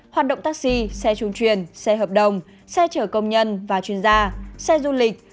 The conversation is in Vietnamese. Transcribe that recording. hoạt động taxi xe trung truyền xe hợp đồng xe chở công nhân và chuyên gia xe du lịch